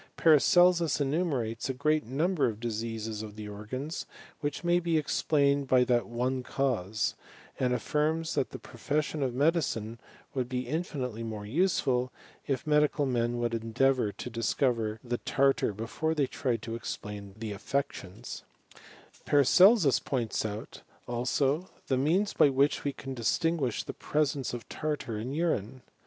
Paracelsus enumerates a great number of diseases of the organs, which may be explained by that one cause ; and affirms, that the profession of medicine would be infinitely more useful, if medical men would endeavour to discover the tartar before they tried to explain the atFections, Paracelsus points out, also, the means by which we can distinguish the presence of tartar in urine.